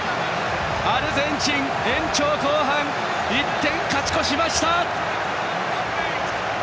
アルゼンチン、延長後半１点勝ち越しました！